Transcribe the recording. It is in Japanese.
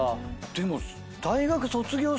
でも。